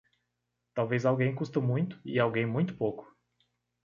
Talvez alguém custa muito e alguém muito pouco.